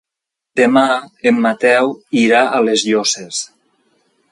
Demà en Mateu irà a les Llosses.